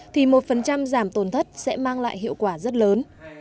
thì một giảm tổn thất sẽ mang lại hiệu quả rất lớn